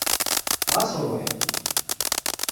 Ɣas ruḥ!